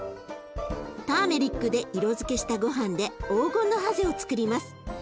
ターメリックで色づけしたごはんで黄金のハゼをつくります。